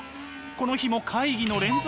この日も会議の連続。